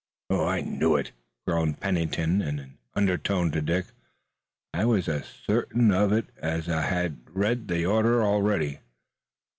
"I knew it," groaned Pennington in an undertone to Dick. "I was as certain of it as if I had read the order already."